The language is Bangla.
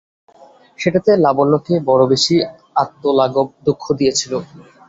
সেটাতে লাবণ্যকে বড়ো বেশি আত্মলাঘব-দুঃখ দিয়েছিল।